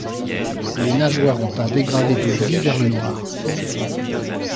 Les nageoires ont un dégradé de gris vers le noir.